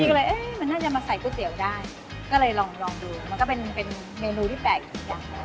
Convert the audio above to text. พี่ก็เลยเอ๊ะมันน่าจะมาใส่ก๋วยเตี๋ยวได้ก็เลยลองลองดูมันก็เป็นเป็นเมนูที่แปลกอยู่กัน